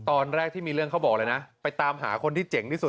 ตอนแรกที่มีเรื่องเขาบอกเลยนะไปตามหาคนที่เจ๋งที่สุด